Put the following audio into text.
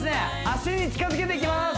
脚に近づけていきます